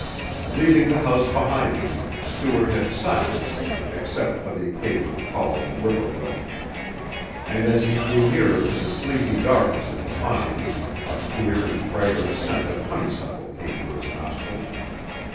Leaving the house behind him, Stuart had silence except for the occasional call of a whippoorwill, and as he drew nearer to the sleepy darkness at the pines a clear and fragrant scent of honeysuckle came to his nostrils.